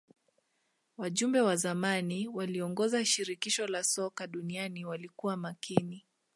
wajumbe wa zamani waliyoongoza shirikisho la soka duniani walikuwa makini